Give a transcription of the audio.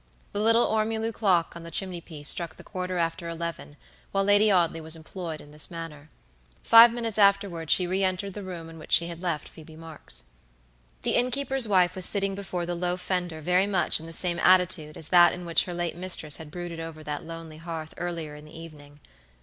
The little ormolu clock on the chimney piece struck the quarter after eleven while Lady Audley was employed in this manner; five minutes afterward she re entered the room in which she had left Phoebe Marks. The innkeeper's wife was sitting before the low fender very much in the same attitude as that in which her late mistress had brooded over that lonely hearth earlier in the evening.